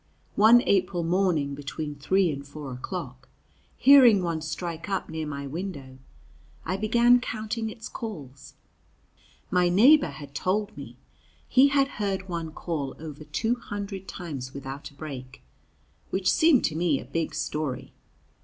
One April morning between three and four o'clock, hearing one strike up near my window, I began counting its calls. My neighbor had told me he had heard one call over two hundred times without a break, which seemed to me a big story.